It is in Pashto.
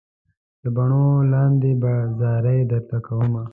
د باڼو لاندې به زارۍ درته کوم.